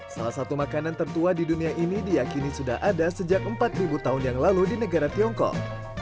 salah satu makanan tertua di dunia ini diakini sudah ada sejak empat tahun yang lalu di negara tiongkok